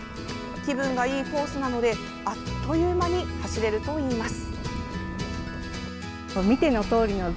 気分がいいコースなのであっという間に走れるといいます。